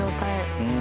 うん。